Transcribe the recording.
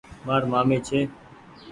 مآر مآمي ڇي ۔